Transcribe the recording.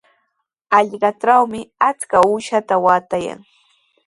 Hallqatrawmi achka uushaata waatayan.